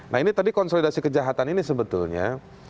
nah ini tadi konsolidasi kejahatan ini sebetulnya